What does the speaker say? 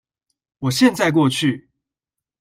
我現在過去